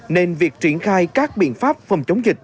nên việc triển khai các biện pháp phòng chống dịch